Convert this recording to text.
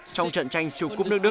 trong trận tranh siêu cúp nước đức